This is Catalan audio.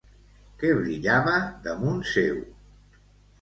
Què brillava damunt seu?